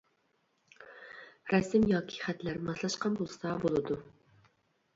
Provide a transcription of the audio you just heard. رەسىم ياكى خەتلەر ماسلاشقان بولسا بولىدۇ.